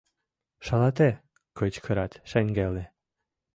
— Шалате! — кычкырат шеҥгелне.